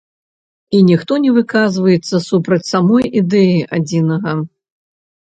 І ніхто не выказваецца супраць самой ідэі адзінага.